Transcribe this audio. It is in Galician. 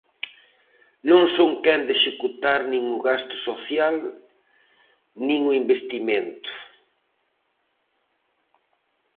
Non son quen de executar nin o gasto social nin o investimento.